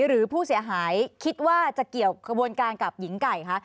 หรือผู้เสียหายคิดว่าจะเกี่ยวขบวนการกับหญิงไก่คะ